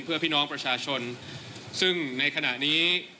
เพื่อพี่น้องประชาชนซึ่งในขณะนี้